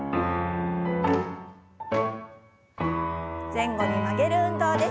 前後に曲げる運動です。